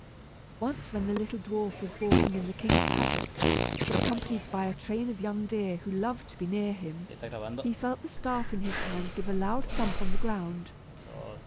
Once when the little dwarf was walking in the king's paddock, accompanied by a train of young deer who loved to be near him, he felt the staff in his hand give a loud thump on the ground.